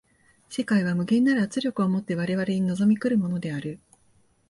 世界は無限なる圧力を以て我々に臨み来るものである。